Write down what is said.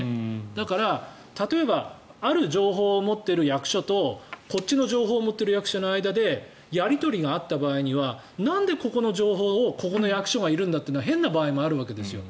だから、例えばある情報を持っている役所とこっちの情報を持っている役所の間でやり取りがあった場合にはなんで、ここの情報をここの役所がいるんだってのは変な場合もあるわけですよ。